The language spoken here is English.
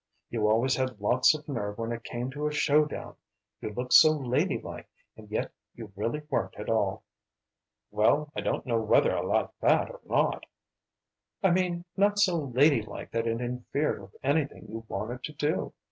You always had lots of nerve when it came to a show down. You looked so lady like, and yet you really weren't at all." "Well, I don't know whether I like that or not." "I mean not so lady like that it interfered with anything you wanted to do.